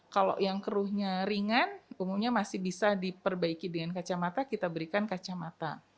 kalau yang keruhnya ringan umumnya masih bisa diperbaiki dengan kacamata kita berikan kacamata